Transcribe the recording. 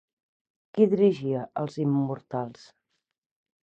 Qui dirigia els Immortals?